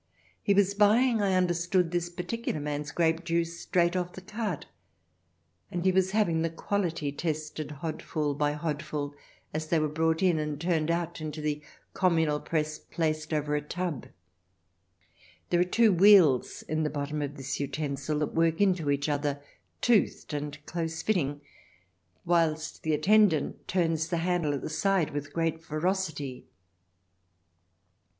He was buying, I under stood, this particular man's grape juice straight off the cart, and he was having the quality tested, hodful by hodful, as they were brought in and turned out into the communal press placed over a tub. There are two wheels in the bottom of this utensil that work into each other, toothed and close fitting, whilst the attendant turns the handle at the side with great ferocity.